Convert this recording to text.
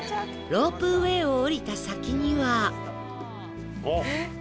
ロープウェイを降りた先には